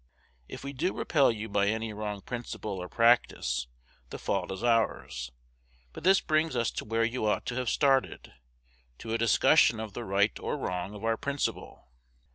If we do repel you by any wrong principle or practice, the fault is ours; but this brings us to where you ought to have started, to a discussion of the right or wrong of our principle.